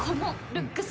ルックス！